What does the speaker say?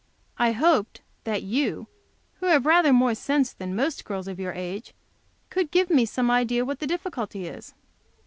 I hoped that you, who have rather more sense than most girls of your age, could give me some idea what the difficulty is."